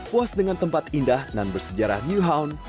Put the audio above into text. puas dengan tempat indah dan bersejarah new hound